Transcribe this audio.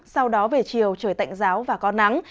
sau đó về chiều trời tạnh giáo và có nắng